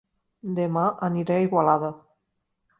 Dema aniré a Igualada